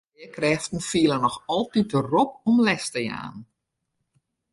Learkrêften fiele noch altyd de rop om les te jaan.